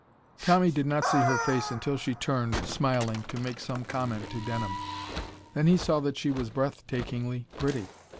Tommy did not see her face until she turned, smiling, to make some comment to Denham. Then he saw that she was breath takingly pretty.